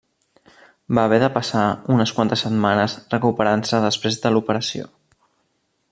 Va haver de passar unes quantes setmanes recuperant-se després de l'operació.